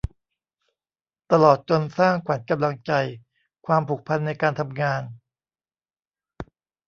ตลอดจนสร้างขวัญกำลังใจ ความผูกพันในการทำงาน